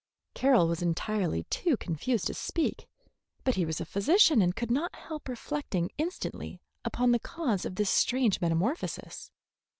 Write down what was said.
Carroll was entirely too confused to speak, but he was a physician, and could not help reflecting instantly upon the cause of this strange metamorphosis.